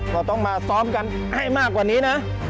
เราต้องมาซ้อมกันให้มากกว่านี้นะ